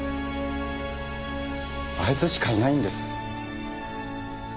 あいつしかいないんです。